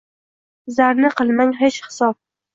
Zarni qilmang hech hisob.